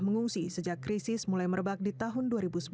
mengungsi sejak krisis mulai merebak di tahun dua ribu sebelas